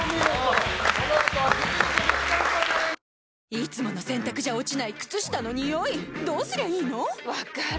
いつもの洗たくじゃ落ちない靴下のニオイどうすりゃいいの⁉分かる。